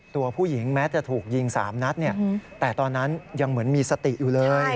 ตัวผู้หญิงแม้จะถูกยิง๓นัดแต่ตอนนั้นยังเหมือนมีสติอยู่เลย